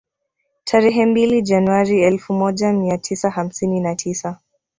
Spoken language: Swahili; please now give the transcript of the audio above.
Tarehe mbili Januari elfu moja mia tisa hamsini na tisa